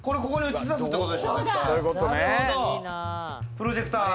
プロジェクター！